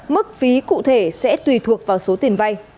mức phí cụ thể sẽ tùy thuộc vào số tiền vay